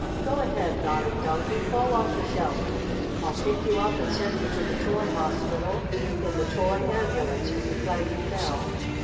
"Go ahead, Nodding Donkey. Fall off the shelf. I'll pick you up and send you to the toy hospital in the toy ambulance with the clanging bell."